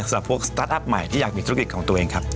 สำหรับพวกสตาร์ทอัพใหม่ที่อยากมีธุรกิจของตัวเองครับ